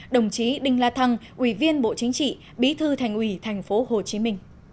đồng chí đinh la thăng ủy viên bộ chính trị bí thư thành ủy tp hcm